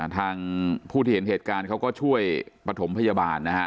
ทางผู้ที่เห็นเหตุการณ์เขาก็ช่วยปฐมพยาบาลนะฮะ